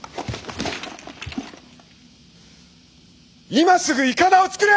今すぐいかだを作れ！